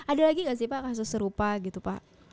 ada lagi nggak sih pak kasus serupa gitu pak